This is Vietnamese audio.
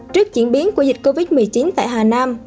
trước diễn biến của dịch covid một mươi chín tại hà nam